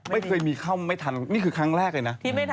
ไม่เคยมีเข้าไม่ทันนี่คือครั้งแรกเลยนะ